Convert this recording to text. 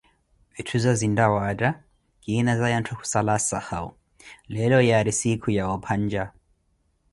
vitthuza zintta waatta kiinazaya ntthu kusala asahau, leelo yaari siikhu ya opanja.